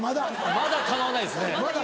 まだかなわないですね。